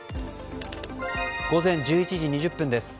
午前１１時２０分です。